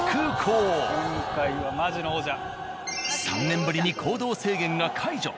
３年ぶりに行動制限が解除。